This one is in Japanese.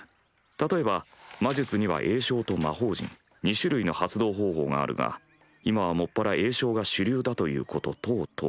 例えば魔術には詠唱と魔法陣２種類の発動方法があるが今は専ら詠唱が主流だということ等々。